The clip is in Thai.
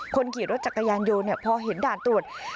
คนขี่รถจักรยานยนต์พอเห็นด่านตรวจ